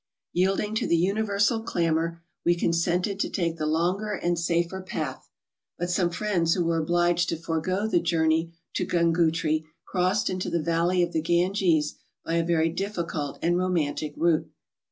Yielding to the universal clamour, we consented to take the longer and safer path, but some friends who were obliged to forego the journey to G ungootree crossed into the valley of the Ganges by a very difficult and romantic route.